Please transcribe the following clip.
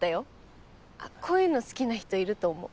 あっこういうの好きな人いると思う。